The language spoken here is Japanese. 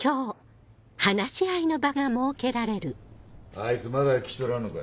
あいつまだ来とらんのか。